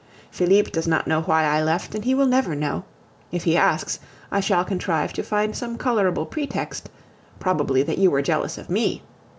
Felipe does not know why I left, and he will never know. If he asks, I shall contrive to find some colorable pretext, probably that you were jealous of me!